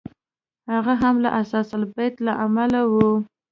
هغه هم له اثاث البیت له امله و.